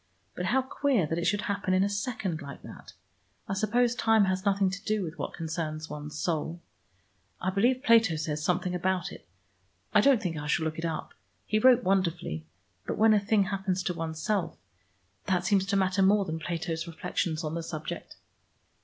But how queer that it should happen in a second, like that. I suppose time has nothing to do with what concerns one's soul. I believe Plato says something about it. I don't think I shall look it up. He wrote wonderfully, but when a thing happens to oneself, that seems to matter more than Plato's reflections on the subject."